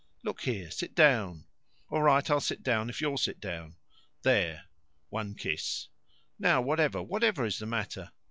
"Look here, sit down." "All right; I'll sit down if you'll sit down." "There. (One kiss.) Now, whatever, whatever is the matter?"